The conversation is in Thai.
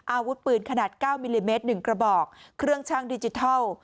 อาวุธปืนขนาด๙มิลลิเมตร๑กระบอกเครื่องช่างดิจิทัล